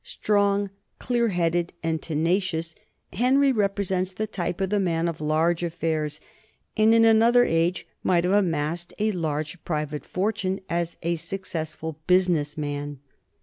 Strong, clear headed, and tenacious, Henry represents the type of the man of large affairs, and in another age might have amassed a large private fortune as a successful business man.